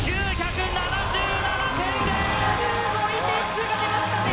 すごい点数が出ましたね！